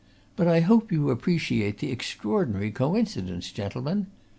But I hope you appreciate the extraordinary coincidence, gentlemen?